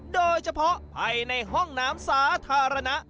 โดยเฉพาะภายในห้องน้ำสาธารณะ